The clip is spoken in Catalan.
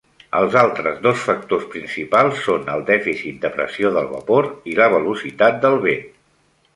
Els altres dos factors principals són el dèficit de pressió del vapor i la velocitat del vent.